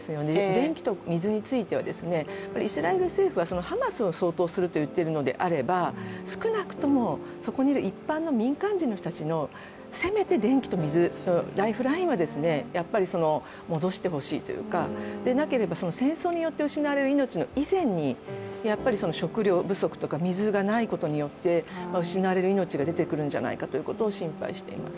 電気と水についてはイスラエル政府はハマスを掃討すると言っているのであれば少なくともそこにいる一般の民間人の人たちのせめて電気と水、ライフラインは戻してほしいというかでなければ戦争によって失われる命以前にやっぱり食料不足とか水がないことによって、失われる命が出てくるんじゃないかということを心配しています。